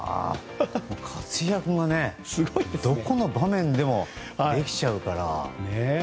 活躍がねどこの場面でもできちゃうから。